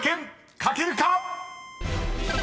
［書けるか⁉］